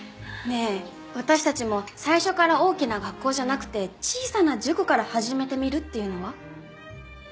ねえ私たちも最初から大きな学校じゃなくて小さな塾から始めてみるっていうのは？